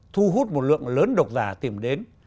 thu hút một lượng lớn độc giả tìm đến